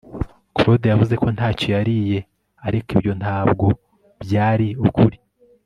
claude yavuze ko ntacyo yariye, ariko ibyo ntabwo byari ukuri